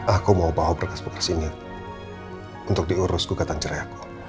aku mau bawa bekas bekas ini untuk diurus kekatan cerai aku